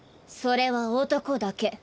それは男だけ。